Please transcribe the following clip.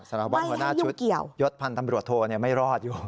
สารวัสดิ์หัวหน้าชุดไม่ให้ยุ่งเกี่ยวยศพันธ์ตำรวจโทรเนี่ยไม่รอดอยู่